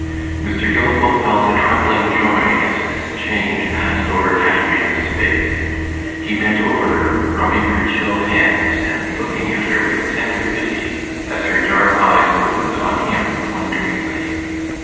Mr. Gilfil felt a trembling joy as this change passed over Caterina's face. He bent over her, rubbing her chill hands, and looking at her with tender pity as her dark eyes opened on him wonderingly.